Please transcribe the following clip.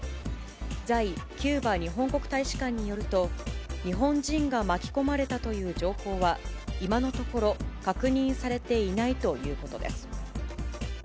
在キューバ日本国大使館によると、日本人が巻き込まれたという情報は、今のところ確認されていないということです。